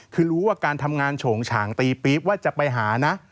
คือรู้ว่าการทำงานโฉงฉางตีปี๊บว่าจะไปหานะ